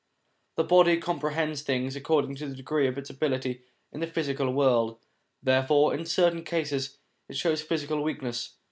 The body comprehends things according to the degree of its ability in the physical world, therefore in certain cases it shows physical weakness.